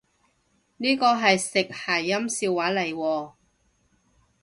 呢個係食諧音笑話嚟喎？